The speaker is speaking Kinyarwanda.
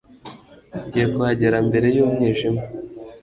Ngiye kuhagera mbere y'umwijima